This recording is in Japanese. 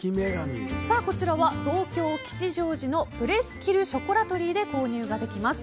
こちらは東京・吉祥寺のプレスキル・ショコラトリーで購入ができます。